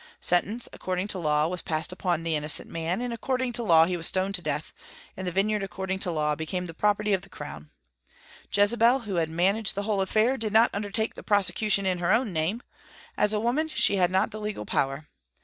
Sentence, according to law, was passed upon the innocent man, and according to law he was stoned to death, and the vineyard according to law became the property of the Crown. Jezebel, who had managed the whole affair, did not undertake the prosecution in her own name; as a woman, she had not the legal power.